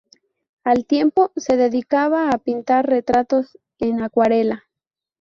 Al tiempo, se dedicaba a pintar retratos en acuarela.